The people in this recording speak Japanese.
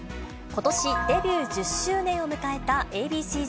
ことし、デビュー１０周年を迎えたＡ．Ｂ．ＣーＺ。